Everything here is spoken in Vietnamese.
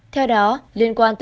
theo đó liên quan tới